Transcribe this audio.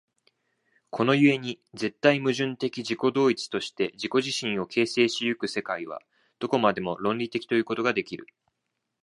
この故に絶対矛盾的自己同一として自己自身を形成し行く世界は、どこまでも論理的ということができる。